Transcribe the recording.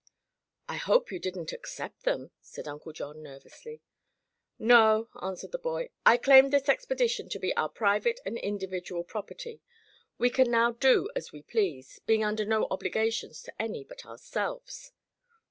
"I hope you didn't accept them," said Uncle John nervously. "No," answered the boy, "I claimed this expedition to be our private and individual property. We can now do as we please, being under no obligations to any but ourselves."